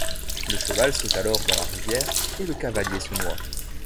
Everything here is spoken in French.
Le cheval saute alors dans la rivière et le cavalier se noie.